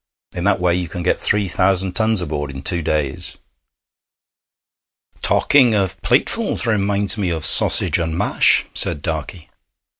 In that way you can get three thousand tons aboard in two days.' 'Talking of platefuls reminds me of sausage and mash,' said Darkey.